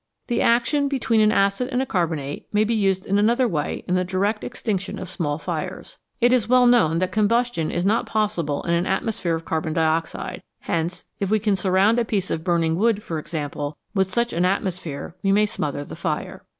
The action between an acid and a carbonate may be used in another way in the direct extinction of small fires. It is well known that combustion is not possible in an atmosphere of carbon dioxide, hence if we can surround a piece of burning wood, for example, with such an atmos phere, we may smother the fire.